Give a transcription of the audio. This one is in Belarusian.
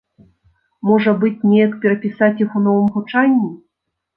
Можа быць, неяк перапісаць іх у новым гучанні.